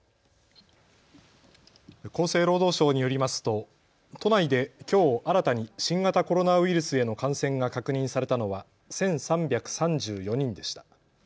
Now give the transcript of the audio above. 厚生労働省によりますと都内できょう新たに新型コロナウイルスへの感染が確認されたのは１３３４人でした。